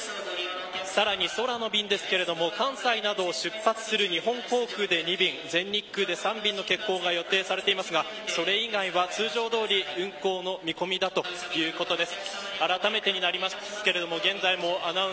さらに空の便ですが関西などを出発する日本航空で２便、全日空で３便の欠航が予定されていますがそれ以外はそして物流への影響が続いています。